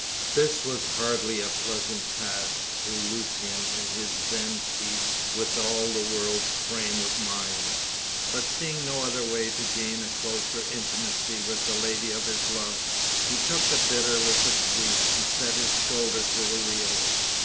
This was hardly a pleasant task to Lucian in his then peace with all the world frame of mind; but seeing no other way to gain a closer intimacy with the lady of his love, he took the bitter with the sweet, and set his shoulder to the wheel.